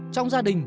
trong gia đình